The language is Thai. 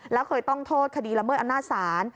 แล้วเคยต้องโทษคดีละเมิดอำนาจศาล